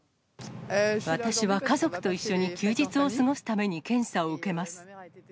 私は家族と一緒に休日を過ごすために検査を受けます。